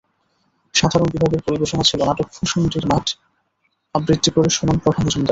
সাধারণ বিভাগের পরিবেশনা ছিল নাটক ভূষণ্ডীর মাঠ, আবৃত্তি করে শোনান প্রভা মজুমদার।